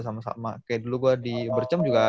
sama sama kayak dulu gue di bercem juga